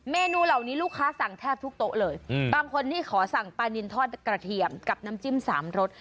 เมนูเหล่านี้ลูกค้าสั่งแทบทุกโต๊ะเลยบางคนที่ขอสั่งปลานินทอดกระเทียมกับน้ำจิ้มสามรส